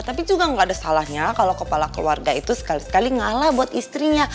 tapi juga nggak ada salahnya kalau kepala keluarga itu sekali sekali ngalah buat istrinya